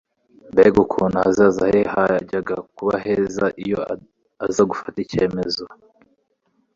Mbega ukuntu ahazaza he hajyaga kuba heza iyo aza gufata icyemezo !